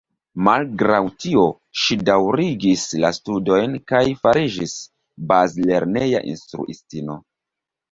Malgraŭ tio, ŝi daŭrigis la studojn kaj fariĝis bazlerneja instruistino.